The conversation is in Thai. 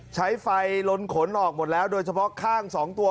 ใช้ไฟลนขนออกหมดแล้วโดยเฉพาะข้าง๒ตัว